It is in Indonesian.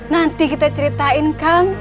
nanti kita ceritain kang